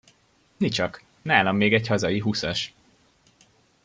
Nicsak, nálam még egy hazai húszas!